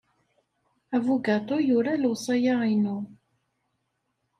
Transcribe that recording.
Abugaṭu yura lewṣaya-inu.